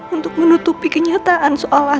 untuk menutupi kenyataan soal anting